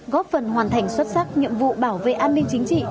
góp phần hoàn thành xuất sắc nhiệm vụ bảo vệ an ninh chính trị